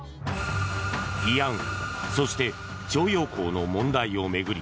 慰安婦そして徴用工の問題を巡り